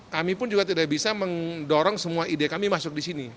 kami pun juga tidak bisa mendorong semua ide kami masuk di sini